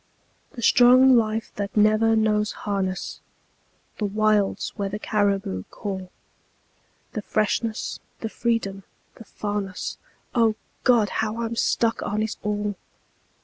The strong life that never knows harness; The wilds where the caribou call; The freshness, the freedom, the farness O God! how I'm stuck on it all.